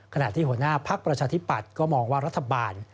ขณะที่หัวหน้าพักประชาธิปัตย์ก็มองว่ารัฐบาล